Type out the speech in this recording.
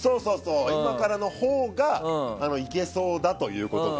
今からのほうがいけそうだということで。